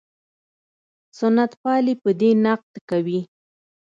سنت پالي په دې نقد کوي.